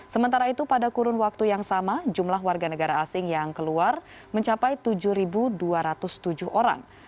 sementara itu pada kurun waktu yang sama jumlah warga negara asing yang keluar mencapai tujuh dua ratus tujuh orang